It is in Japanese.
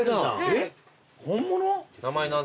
えっ本物？